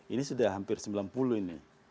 ini sudah hampir sembilan puluh ini